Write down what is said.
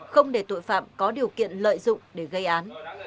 không để tội phạm có điều kiện lợi dụng để gây án